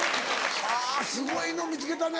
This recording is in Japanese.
はぁすごいの見つけたね